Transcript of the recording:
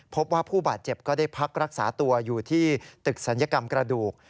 พบว่าผู้บาดเจ็บก็ได้พักรักษาตัวอยู่ที่ตึกศัลยกรรมกระดูก